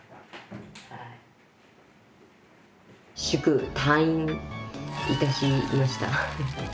祝退院いたしました。